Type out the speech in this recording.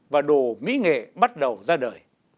và đồ mỹ nghề bắt đầu ra đời